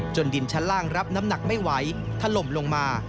ดินชั้นล่างรับน้ำหนักไม่ไหวถล่มลงมา